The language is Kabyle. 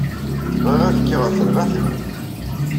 Bɣiɣ ad kkiɣ deg terbaɛt-nwen.